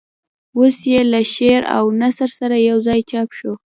اوس یې له شعر او نثر سره یوځای چاپ شو.